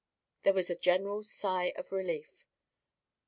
There was a general sigh of relief.